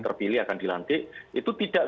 terpilih akan dilantik itu tidak